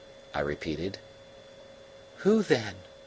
I repeated. "Who, then?"